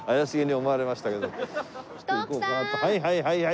はいはいはいはい。